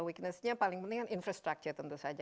weakness nya paling penting kan infrastructure tentu saja